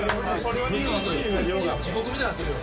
地獄みたいになってるよ。